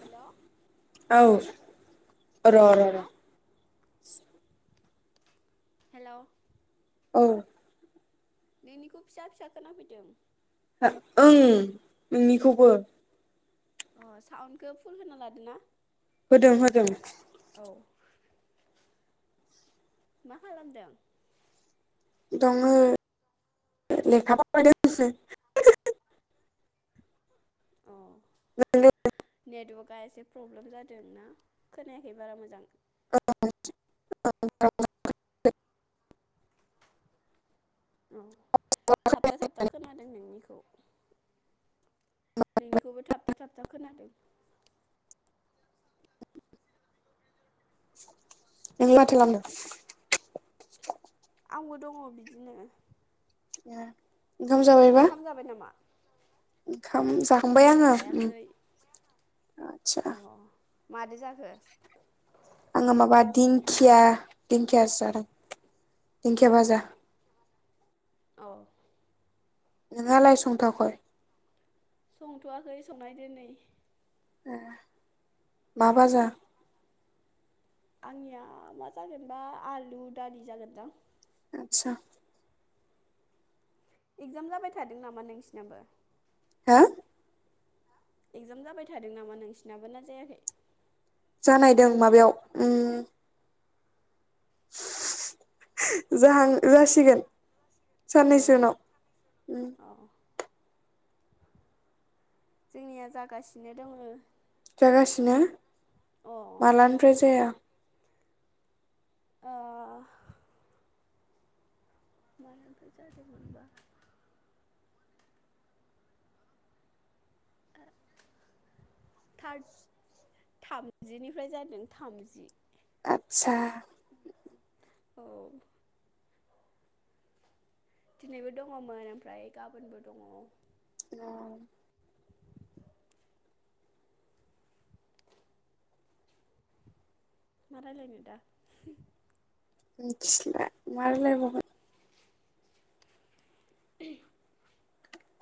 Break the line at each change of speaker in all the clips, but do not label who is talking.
हेल'
औ र र
खोनादोंना
र
हेल'
औ
नोंनिखौ फिसा फिसा खोना फैदों
ओं नोंनिखौबो
अ साउन्डखौ फुल होना लादो ना
होदों-होदों
औ मा खालामदों
दङो लेखा फरायदोंसो
अ
नों
नेटवारकआ एसे प्रब्लेम जादोंना खोनायाखै बारा मोजां
[inaudible]
औ थाबथा थाबथा खोनादों नोंनिखौ नोंनिखौबो थाबथा-थाबथा खोनादों
नों माथो खालामनो
आंबो दङ बिदिनो
ए
ओंखाम जाबाय नामा
खाम जा जाखांबाय आङो
जायाखै
आदसा
मादै जाखो
आङो माबा दिंखिया दिंखियासो जादों। दिंखिया फाजा।
औ
नोंहालाइ संथायाखै।
संथ'वाखै संनाय दो नै।
ए मा बाजार।
आंनिया मा जागोनबा आलु, दालि जागोनदां।
[inaudible]
एगजाम जाबाय थादों नामा नोंसिनाबो
हा।
एगजाम जाबाय थादों नामा नोंसिनाबो ना जायाखै।
जानायदों माबायाव उम। जाहां जासिगोन‌।
अ
साननैसो उनाव उम।
अ जोंनिया जागासिनो दङ।
जागासिनो।
ओ
मालानिफ्राय जाया
ओ। मानोनथ जादोमोनबा [unintelligible] थार थाम थामजिनिफ्राय जादों थामजि [unintelligible]
आदसा।
औ। दिनैबो दङमोन ओमफ्राय गाबोनबो दङ। मारायलायनो दा।
मिथिला मा रायलाय बावगोन।
ए [unintelligible]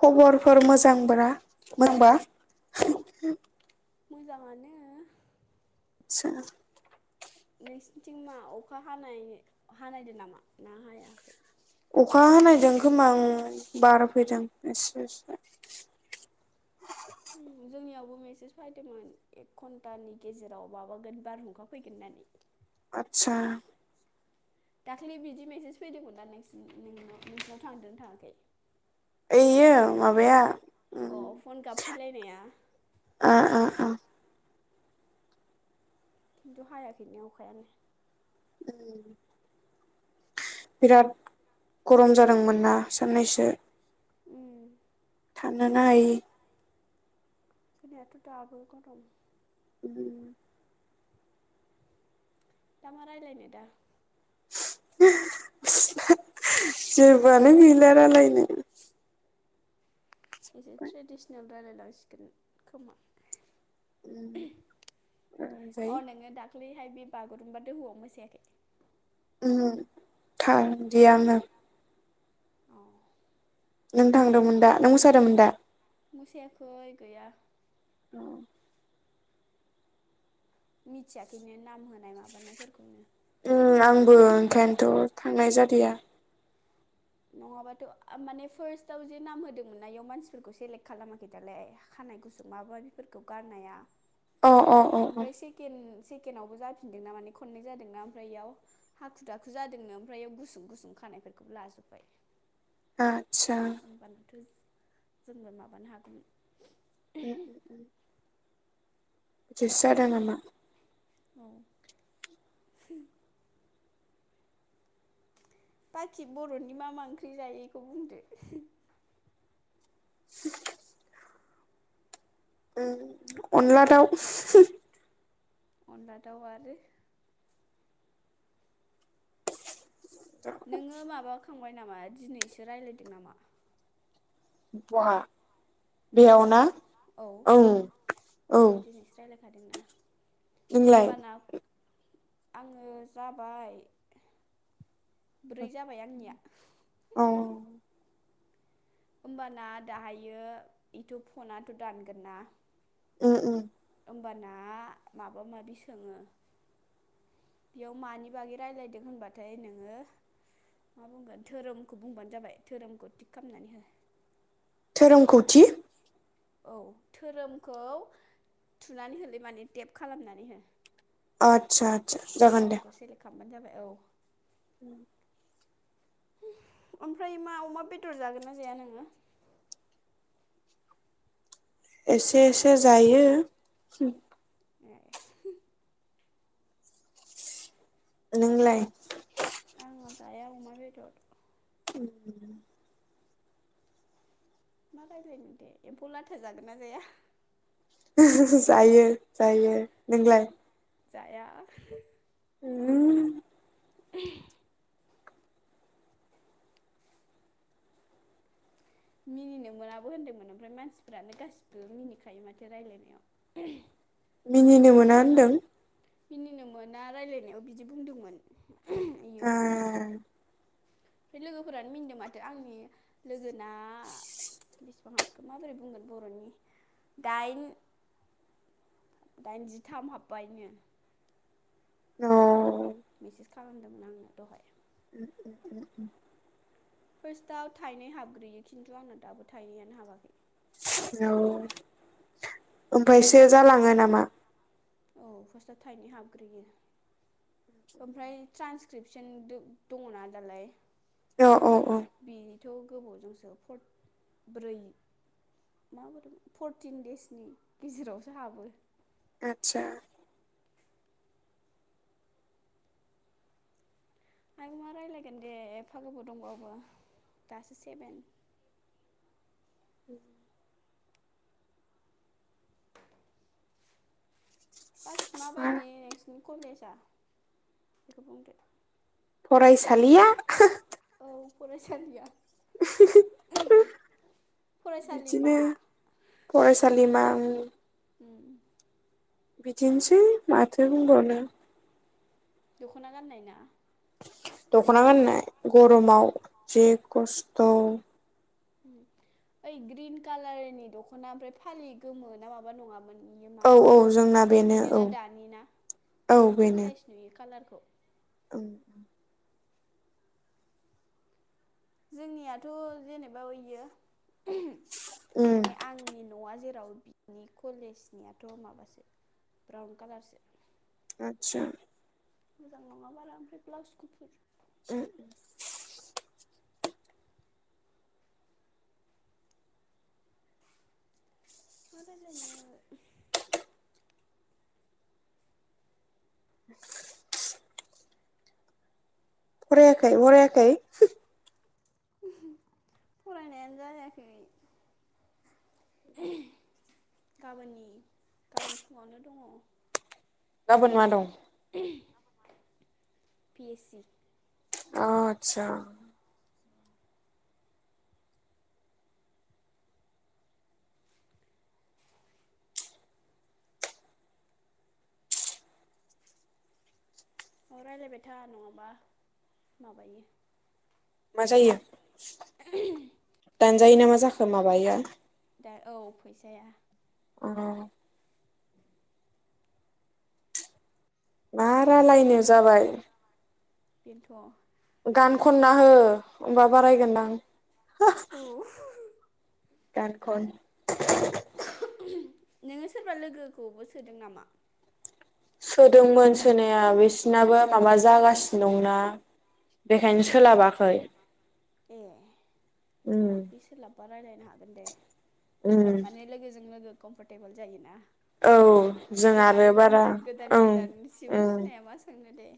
खबरफोर मोजांब्रा होनबा।
मोजाङानो।
सोर?
नोंसिनिथिं मा अखा हानाय हानायदो नामा ना हाया?
अखा हानायदों खोमा उम बार फैदों एसे-एसे
आं मेसेज फायदोंमोन एक घन्टानि गेजेराव माबागोन बारहुंखा फैगोन होननानै।
आतसा।
दाखालि बिदि मेसेज फैदोंमोन ना नोंसि नोंनि नोंसिनाव थांदो थाङाखै?
ओइयो माबाया?
अ
उम
फन गाबफैलायनाया।
ओ ओ ओ
खिन्थु हायाखैनो अखायानो।
[unintelligible] बिराद गरम जादोंमोनना साननैसो।
उम
थानोनो हायि
जोंनियाथ' दाबो गुदुम [inaudible] दामा रायलायनो नोंथां? [inaudible]
[inaudible] जेबोआनो गैला रायलायनो।
एसे ट्रेडिसनेल रायलायलांसिगोन खोमा।
उम ओ जायो
दाखलैहाय बे बागुरुम्बा दोहौवाव मोसायाखै?
उम थांदियानो
अ
नों थांदोंमोन दा? नों मोसादोंमोन दा?
मोसायाखै गैया।
औ
मिथियाखैनो नाम होनाय माबानायफोरखौनो।
ओ आंबो ओंखायनोथ' थांनाय जादिया।
नङाबाथ' आ माने फार्स्टआव जे नाम होदोंमोन ना इयाव मानसिफोरखौ सेलेक्ट खालामाखै दालाय खानाय गुसुं माबा माबिफोरखौ गारनाया।
अ अ अ अ
सेकेन्दआवबो जाफिनदों ना माने खननै जादों ना ओमफ्राय इयाव हाखु दाखु जादोंनो ओमफ्राय बेयाव गुसुं गुसुं खानायफोरखौबो लाजोब
आ।
होमबानोथ' जों जोंबो माबानो हागौमोन।
उम उम इदिसो जादों नामा?
औ [inaudible] बाकि बर'नि मा मा ओंख्रि जायो इखो बुंदो
उम अन्ला दाउ
अनला दाउ आरो [inaudible] नोङो माबाखांबाय नामा दिनैसो रायजलायदो नामा?
बहा? बेयाव ना औ औ
हादोंना?
नोंलाय
ओमबाना आङो जाबाय ब्रै जाबाय आंनिया।
औ
होमबाना दाहायो इथ' फनाथ' दानगोन ना।
उ उम।
होनबाना माबा माबि सोङो बेयाव मानि बागै रायलायदों होनबाथाय नोङो मा बुंगोन धोरोमखौ बुंबानो जाबाय धोरोमखौ टिक खामनानै हो।
धोरोमखौ थिक।
औ धोरोमखौ थुनानै होलै माने टेप खालामनानै हो।
आत्सा-आत्सा जागोन दे।
बानो जाबाय औ।
उम।
[unintelligible] ओमफ्राय मा अमा बेदर जागोन ना जाया नोङो?
एसे एसे जायो हुम।
ए। [unintelligible]
नोंलाय?
आंहा जाया अमा बेदर ओह।
[unintelligible]
मा रायज्लायनो दे, एम्फौ लाथा जागोन ना जाया?
ओ हो-हो जायो-जायो, नोंलाय?
जाया। [unintelligible]
उम।
[unintelligible] मिनिनो मोनाबो होनदोंमोन ओमफ्राय मानसिफ्रानो गासिबो मिनिखायो माथो रायलायनायाव।
मिनिनो मोना होनदों।
मिनिनो मोना रायलायनायाव बिदि बुंदोंमोन। [unintelligible] इयो
आ
हौवाया। ओमफाय लोगोफोरानो मिनदों माथो आंनि लोगोना
[inaudible]
[unintelligible] माबोरै बुंगोन बर'नि दाइन दाइनजिथाम हाबबायनो।
औ।
मेसेस खालामदोंमोन आंनाव दहाय।
उम-उम-उम-उम।
फार्स्टआव थाइनै हाबग्रोयो खिन्थु आंन दाबो थायनैयानो हाबाखै।
औ, ओमफ्रायसो जालाङो नामा?
औ, फार्स्टआव थाइनै हाबग्रोयो ओमफ्राय ट्रान्सक्रिपसन दङना दालाय।
औ-औ-औ।
थ' गोबावजोंसो फर ब्रै माबोरै फरटिन देसनि गेजेरावसो हाबो।
आतसा।
आयौ मा रायलायगोन दे एफागोबाव दंबावो दासो सेभेन।
उम।
[inaudible] बाखि माबायदि नोंसिनि कलेजआ बेखौ बुंदो?
फरायसालिया
औ फरायसालिया।
[unintelligible]
फरायसालिमा
बिदिनो फरायसालिमा। उम।
उम
बिदिनोसै माथो बुंबावनो।
दख'ना गाननाय ना।
दख'ना गाननाय गरमाव जि खस्थ'
ओइ ग्रिन कालारनि दख'ना ओमफ्राय फालि गोमो ना माबा नङामोन? बियो
औ औ
मानिमोन
जोंना बेनो औ
बेनोना दानि ना साइस नुयो कालारख औ
ओं
जोंनियाथ' जेनेबा ओइयो
उम
माने आंनि न'आ जेराव बिनि कलेजनियाथ' माबासो ब्राउन कालारसो।
आथसा
मोजां नङा बारा ओमफ्राय ब्लाउस गुफुर
ओ
मा रायलायनो
[inaudible] फरायाखै हरायाखै
फरायनायानो जायाखै गाबोननि गाबोन फुङावनो दङ।
गाबोन मा दं?
बि ए सि
अ' आथसा
अ रायलायबाय था नङाबा माबायो।
मा जायो? दानजायो ना मा जाखो माबायो।
दा औ फैसाया
अ' मा रालायनो जाबाय।
बेनोथ' औ
गान खनना हो। होमबा बारायगोनदां।
औ
गान खन।
नोङो सोरबा लोगोखौबो सोदों नामा?
सोदोंमोन सोनाया बिसिनाबो माबा जागासिनो दंना बेखायनो सोलाबाखै।
ए
उम
बि सोलाब बा रायलायनो हागोन दे। माने लोगोजों लोगो कम्फेटेबोल जायोना।
औ जों आरो
दा
बारा
गोदान
ओं
गोदान सिबो
औ
सिनाया मा सोंनो दे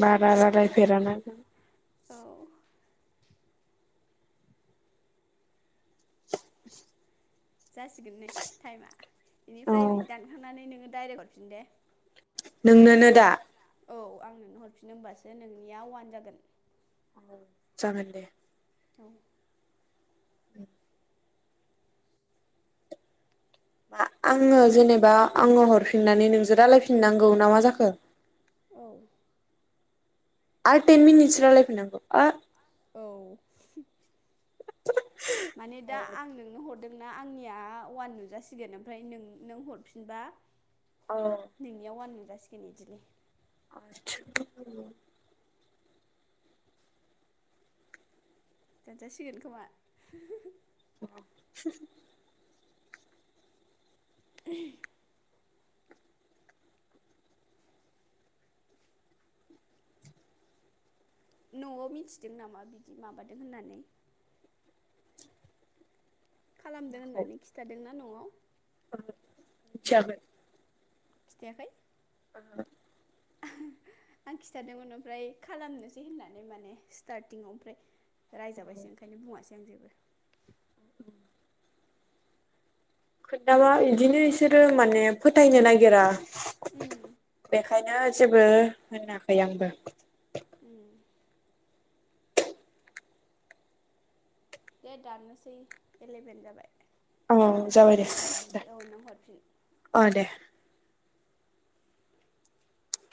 बारा रायलायफेराना जों।
औ
[inaudible]
जासिगोन नै टाइमा।
औ
बेनिफ्राय दानखांनानै नोङो दायरेक हरफिन दे।
नोंनोनो दा।
औ आं नोंनो हरफिनो ओमबासो नोंनिया अवान जागोन।
जागोन दे
[unintelligible]
[unintelligible] आङो जेनेबा आङो हरफिननानै नोंजो रायलायफिननांगौ ना मा जाखो?
औ
आरो टेन मिनिटस रालाय [unintelligible]
औ माने दा आं नोंनो हर दोंना आंनिया अवान नुजासिगोन ओमफ्राय नों नों हरफिनबा
अ
नोंनियाव अवान जासिगोन इदिलै।
[inaudible]
दानजा सिगोन खोमा
[inaudible]
[unintelligible] न'आव मिथिदों नामा बिदि माबादों होननानै? खालामदों
माखौ
होननानै खिथा दोंना?
जागोन।
खिथायाखै?
[unintelligible]
[unintelligible] आं खिथादोंमोन ओमफ्राय खालामनोसै होननानै माने स्टारटिंआव ओमफ्राय रायजाबायसो ओंखायनो बुंआसै। [inaudible]
[inaudible] खोनथाबा इदिनो इसोरो माने फोथायनो नायगिरा।
उम
बेखाय [unintelligible] जेबो होनाखै आंबो।
[unintelligible] दे दाननोसै एलेभेन जाबाय।
औ जाबाय दे
आं
दे
दानसै औ नों हरफिन
अ दे।